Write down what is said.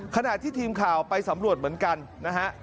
ขณะที่ทีมข่าวไปสำรวจเหมือนกันนะฮะ